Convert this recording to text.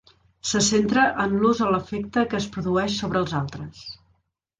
Se centra en l'ús o l'efecte que es produeix sobre els altres.